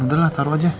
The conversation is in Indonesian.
udah lah taruh aja